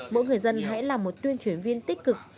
mỗi người dân hãy là một tuyên truyền viên tích cực